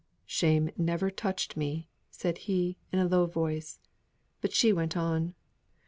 "Shame never touched me," said he, in a low tone: but she went on.